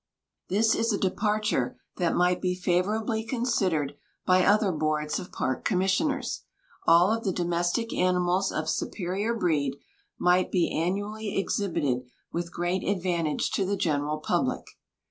This is a departure that might be favorably considered by other boards of park commissioners. All of the domestic animals of superior breed might be annually exhibited with great advantage to the general public.